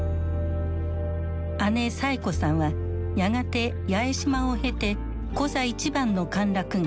姉・サエ子さんはやがて八重島を経てコザ一番の歓楽街